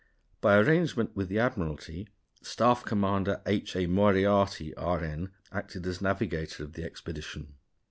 By arrangement with the Admiralty, Staff Commander H. A. Moriarty, R.N., acted as the navigator of the expedition.